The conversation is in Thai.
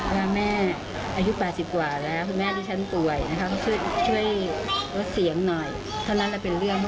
ว่าแม่อายุประสิทธิ์กว่าแล้วคุณแม่ดิชันตัวนะคะ